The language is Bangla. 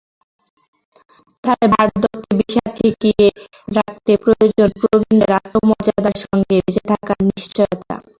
তাই বার্ধক্যে বিষাদ ঠেকিয়ে রাখতে প্রয়োজন প্রবীণদের আত্মমর্যাদার সঙ্গে বেঁচে থাকার নিশ্চয়তা।